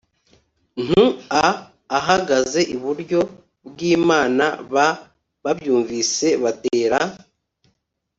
ntu a ahagaze iburyo bw Imana b Babyumvise batera